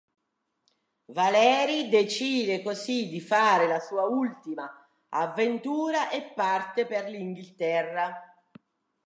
Valeri decide così di fare la sua ultima avventura e parte per l'Inghilterra.